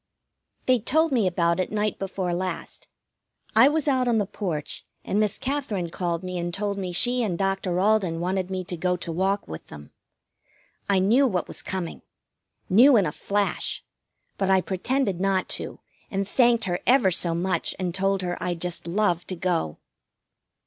They told me about it night before last. I was out on the porch, and Miss Katherine called me and told me she and Doctor Alden wanted me to go to walk with them. I knew what was coming. Knew in a flash. But I pretended not to, and thanked her ever so much, and told her I'd just love to go.